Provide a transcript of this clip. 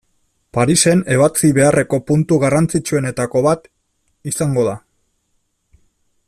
Parisen ebatzi beharreko puntu garrantzitsuenetako bat izango da.